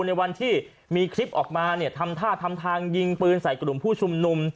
ในวันที่มีคลิปออกมาเนี่ยทำท่าทำทางยิงปืนใส่กลุ่มผู้ชุมนุม